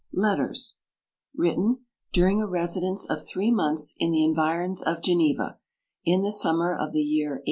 LETTERS WRITTEN DURING A RESIDENCE OF THREE MONTHS IN THE ENVIRONS OF GENEVA, In the Summer of the Year 1816.